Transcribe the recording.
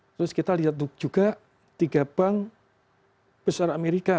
terus kita lihat juga tiga bank besar amerika